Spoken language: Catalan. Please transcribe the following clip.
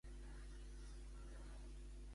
Amb què es conformarà ella?